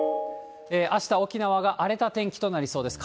あした沖縄が荒れた天気となりそうです。